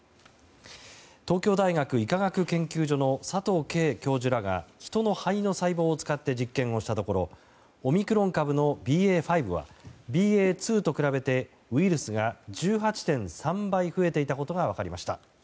東京大学医科学研究所の佐藤佳教授らがヒトの肺の細胞を使って実験をしたところオミクロン株のＢＡ．５はＢＡ．２と比べてウイルスが１８．３倍増えていたことが分かりました。